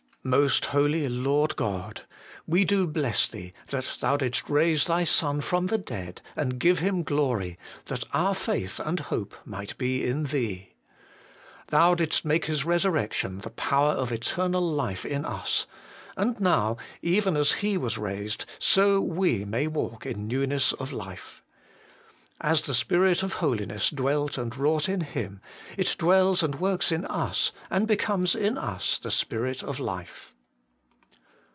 Most Holy Lord God ! we do bless Thee that Thou didst raise Thy Son from the dead and give Him glory, that our faith and hope might be in Thee. Thou didst make His resurrection the power of eternal life in us, and now, even as He was raised, so we may walk in newness of life. As the Spirit of holiness dwelt and wrought in Him, it dwells and works in us, and becomes in us the Spirit of life.